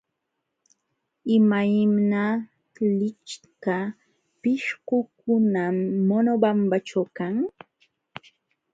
Imaymana lichka pishqukunam Monobambaćhu kan.